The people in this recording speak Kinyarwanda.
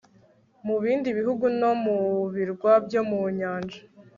mu bindi bihugu no mu birwa byo mu nyanja